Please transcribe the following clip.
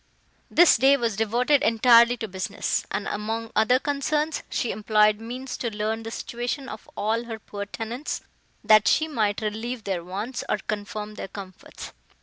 This day was devoted entirely to business; and, among other concerns, she employed means to learn the situation of all her poor tenants, that she might relieve their wants, or confirm their comforts.